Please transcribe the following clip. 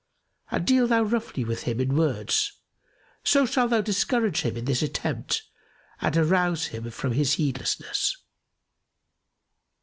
And deal thou roughly with him in words, so shalt thou discourage him in this attempt and arouse him from his heedlessness."